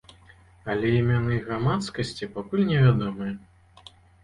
Але імёны іх грамадскасці пакуль не вядомыя.